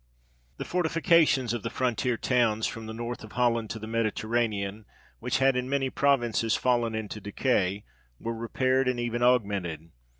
The fortifications of the frontier towns, from the north of Holland to the Mediterranean, which had in many provinces fallen into decay, were repaired, and even augmented.